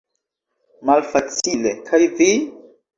Malfacile; kaj vi?